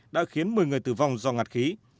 đã khiến một mươi người tử vong do ngạt khí